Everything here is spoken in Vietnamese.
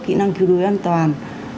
kỹ năng cứu đuối an toàn